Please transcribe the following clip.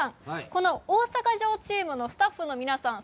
この大阪城チームのスタッフの皆さん